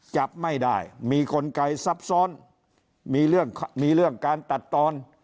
จับไม่ได้มีคนไกรซับซ้อนมีเรื่องการตัดตอน